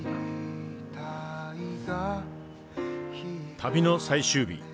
旅の最終日。